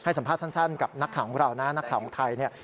ให้สัมภาษณ์สั้นกับนักข่าวของเรานักข่าวของไทย